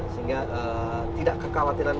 sehingga tidak kekhawatiran